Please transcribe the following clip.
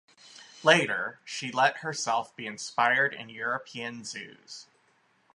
Later she let herself be inspired in European zoos.